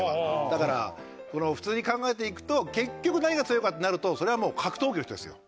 だから普通に考えていくと結局何が強いかってなるとそれはもう格闘技の人ですよ。